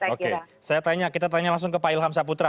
oke saya tanya kita tanya langsung ke pak ilham saputra